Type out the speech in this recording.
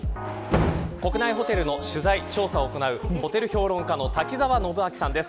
国内ホテルの取材、調査を行うホテル評論家の瀧澤信秋さんです。